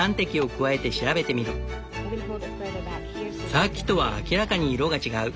さっきとは明らかに色が違う。